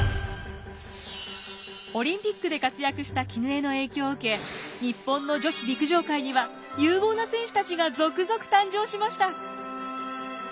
オリンピックで活躍した絹枝の影響を受け日本の女子陸上界には有望な選手たちが続々誕生しました。